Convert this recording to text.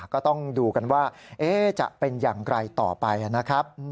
ก็ต้องดูกันว่าจะเป็นอย่างไรต่อไปนะครับ